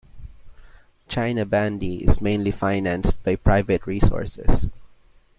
China Bandy is mainly financed by private resources.